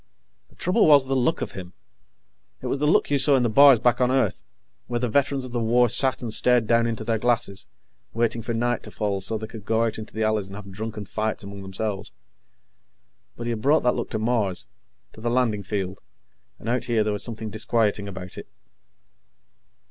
The trouble was the look of him. It was the look you saw in the bars back on Earth, where the veterans of the war sat and stared down into their glasses, waiting for night to fall so they could go out into the alleys and have drunken fights among themselves. But he had brought that look to Mars, to the landing field, and out here there was something disquieting about it.